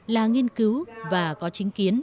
là nghiên cứu và có chính kiến